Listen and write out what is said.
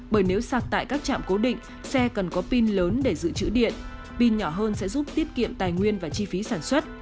bởi nếu sặt tại các trạm cố định xe cần có pin lớn để dự trữ điện pin nhỏ hơn sẽ giúp tiết kiệm tài nguyên và chi phí sản xuất